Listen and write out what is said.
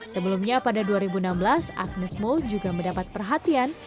sebelumnya pada dua ribu enam belas agnesmo juga mendapat perhatian